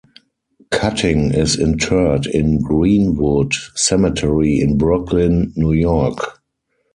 Cutting is interred in Green-Wood Cemetery in Brooklyn, New York.